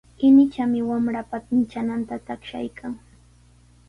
Inichami wamranpa inchananta taqshaykan.